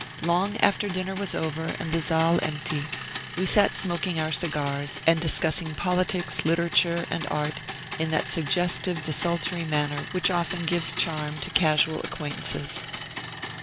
Long after dinner was over, and the salle empty, we sat smoking our cigars, and discussing politics, literature, and art in that suggestive desultory manner which often gives a charm to casual acquaintances.